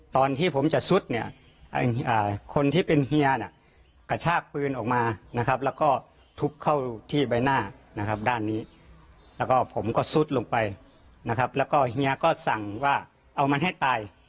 ตอนที่ผมจะซุดเนี่ยคนที่เป็นเฮียเนี่ยกระชากปืนออกมานะครับแล้วก็ทุบเข้าที่ใบหน้านะครับด้านนี้แล้วก็ผมก็ซุดลงไปนะครับแล้วก็เฮียก็สั่งว่าเอามันให้ตาย